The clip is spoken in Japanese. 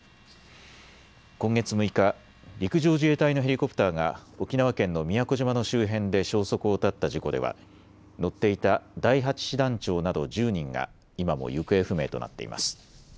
今月６日、陸上自衛隊のヘリコプターが沖縄県の宮古島の周辺で消息を絶った事故では乗っていた第８師団長など１０人が今も行方不明となっています。